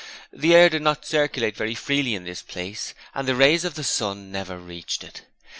The air did not circulate very freely in this place, and the rays of the sun never reached it.